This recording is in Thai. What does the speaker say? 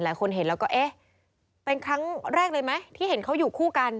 หลายคนเห็นแล้วก็เอ๊ะเป็นครั้งแรกเลยไหมที่เห็นเขาอยู่คู่กัน